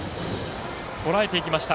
とらえていきました。